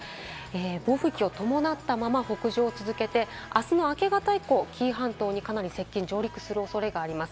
暴風域を伴ったまま北上を続けていて、あすの明け方以降、紀伊半島にかなり接近・上陸する恐れがあります。